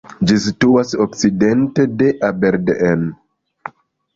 Ĝi situas okcidente de Aberdeen.